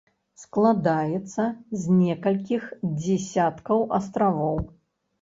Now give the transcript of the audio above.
Складаецца з некалькіх дзесяткаў астравоў.